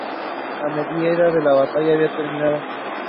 Its history involved nuns from France.